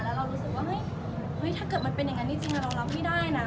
แล้วเรารู้สึกว่าเฮ้ยถ้าเกิดมันเป็นอย่างนั้นจริงเรารับไม่ได้นะ